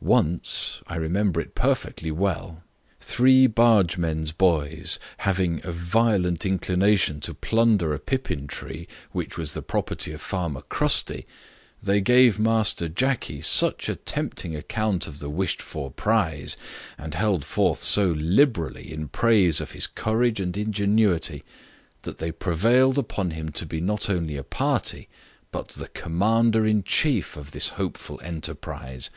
Once (I remember it perfectly well) three bargemen's boys having a violent inclination to plunder a pippin tree, which was the property of farmer Crusty, they gave master Jacky such a tempting account of the wish'd for prize, and held forth so liberally in praise of his courage and ingenuity, that they prevailed upon him to be not only a party, but the commander in chief in this hopeful enterprize.